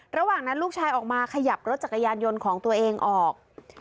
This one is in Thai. ระหว่างนั้นลูกชายออกมาขยับรถจักรยานยนต์ของตัวเองออก